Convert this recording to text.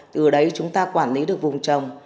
từ đấy chúng ta quản lý được vùng trồng